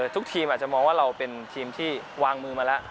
ทุกทีมอาจจะมองว่าเราเป็นทีมที่วางมือมาแล้ว